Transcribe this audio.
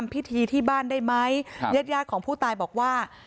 พิธีที่บ้านได้ไหมครับญาติยาดของผู้ตายบอกว่า